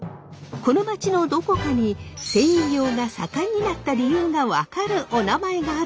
この町のどこかに繊維業が盛んになった理由が分かるおなまえがあるというのですが。